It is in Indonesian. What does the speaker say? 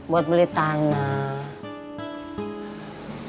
buat beli tanah